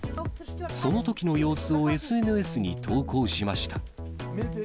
そのときの様子をＳＮＳに投稿しました。